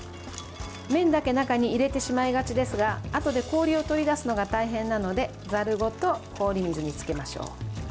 麺だけ中に入れてしまいがちですがあとで氷を取り出すのが大変なのでざるごと氷水につけましょう。